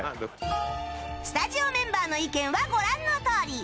スタジオメンバーの意見はご覧のとおり